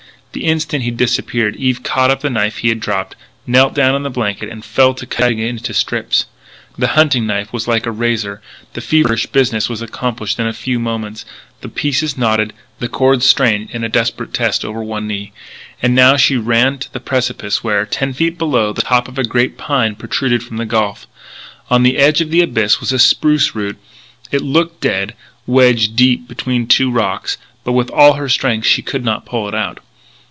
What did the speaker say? The instant he disappeared Eve caught up the knife he had dropped, knelt down on the blanket and fell to cutting it into strips. The hunting knife was like a razor; the feverish business was accomplished in a few moments, the pieces knotted, the cord strained in a desperate test over her knee. And now she ran to the precipice where, ten feet below, the top of a great pine protruded from the gulf. On the edge of the abyss was a spruce root. It looked dead, wedged deep between two rocks; but with all her strength she could not pull it out.